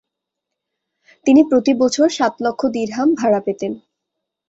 তিনি প্রতি বছর সাত লক্ষ দিরহাম ভাড়া পেতেন।